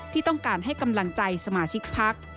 ที่ต้องการให้กำลังใจสมาชิกพัก